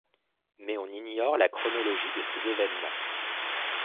Mais on ignore la chronologie de ces événements.